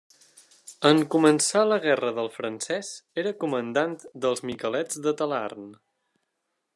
En començar la guerra del francès era comandant dels miquelets de Talarn.